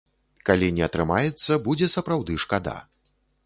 Калі не атрымаецца, будзе сапраўды шкада.